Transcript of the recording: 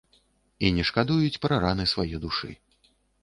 І не шкадуюць пра раны свае душы.